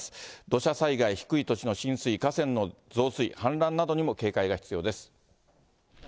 土砂災害、低い土地の浸水、河川の増水、氾濫などにも警戒が必要です。